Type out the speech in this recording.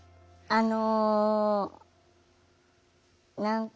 あの。